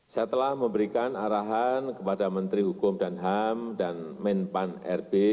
saya telah memberikan arahan kepada menteri hukum dan ham dan menpan rb